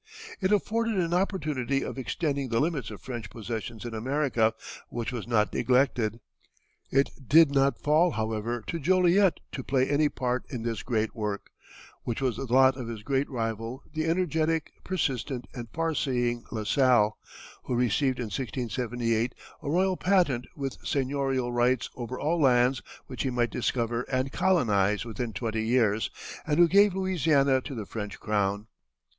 It afforded an opportunity of extending the limits of French possessions in America, which was not neglected. It did not fall, however, to Joliet to play any part in this great work, which was the lot of his great rival, the energetic, persistent, and far seeing La Salle, who received in 1678 a royal patent with seignorial rights over all lands which he might discover and colonize within twenty years, and who gave Louisiana to the French crown.